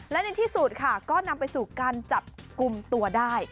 และในที่สุดค่ะก็นำไปสู่การจับกลุ่มตัวได้